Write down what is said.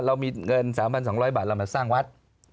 เรามีเงิน๓๒๐๐บาทเรามาสร้างวัด